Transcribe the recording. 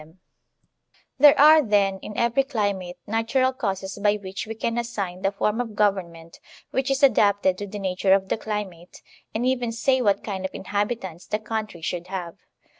RELATIVITY OP FORMS OP GOVERNMENT 71 There are, then, in every climate natural causes by which we can assign the form of government which is adapted to the nature of the climate, and even say what kind of inhabitants the country should have.